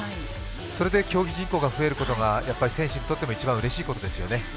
それで競技人口が増えることが、選手にとっても一番うれしいことですよね。